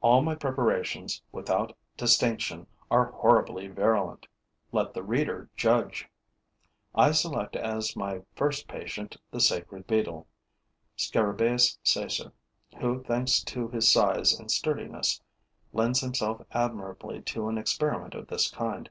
All my preparations, without distinction, are horribly virulent. Let the reader judge. I select as my first patient the sacred beetle, Scarabaeus sacer, who thanks to his size and sturdiness, lends himself admirably to an experiment of this kind.